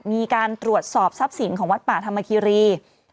มีการตรวจสอบทรัพย์สินของวัดป่าธรรมคิรี